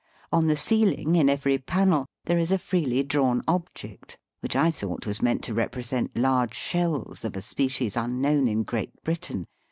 On the ceiling, in every panel, there is a freely drawn object, which I thought was meant to represent large shells of a species imknown in Great Britain.